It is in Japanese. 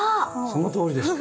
そのとおりです。